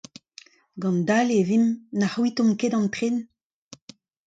Gant dale e vimp ! Na c'hwitomp ket an tren !